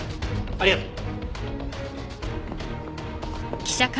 ありがとう。